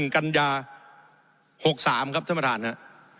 ๑๖๓ครับท่านประธานครับ